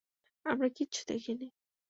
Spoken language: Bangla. আমরা কিচ্ছু দেখিনি।